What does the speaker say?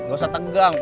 gak usah tegang